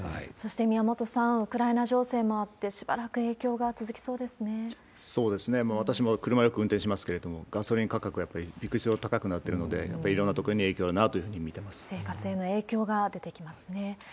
そして宮本さん、ウクライナ情勢もあって、しばらく影響が続そうですね、私も車、よく運転しますけれども、ガソリン価格、やっぱりびっくりするほど高くなってるんで、やっぱりいろんなところに影響があるなというふうに生活への影響が出てきますね。